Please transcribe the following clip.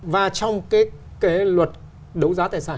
và trong cái luật đấu giá tài sản